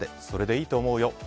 それでいいと思うよ。